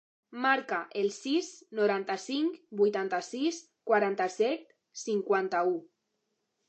Marca el sis, noranta-cinc, vuitanta-sis, quaranta-set, cinquanta-u.